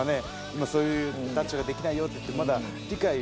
今そういう「タッチができないよ」って言ってもまだ理解がね